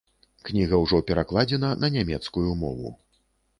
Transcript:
Кніга ўжо перакладзена на нямецкую мову.